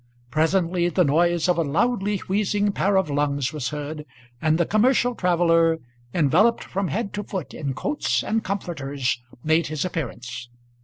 Presently the noise of a loudly wheezing pair of lungs was heard, and the commercial traveller, enveloped from head to foot in coats and comforters, made his appearance.